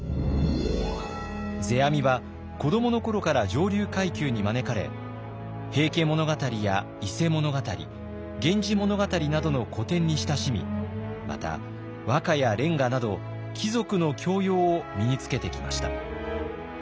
世阿弥は子どものころから上流階級に招かれ「平家物語」や「伊勢物語」「源氏物語」などの古典に親しみまた和歌や連歌など貴族の教養を身につけてきました。